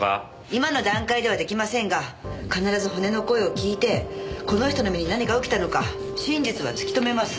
今の段階では出来ませんが必ず骨の声を聞いてこの人の身に何が起きたのか真実は突き止めます。